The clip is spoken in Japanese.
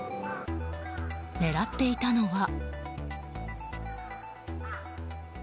狙っていたのは。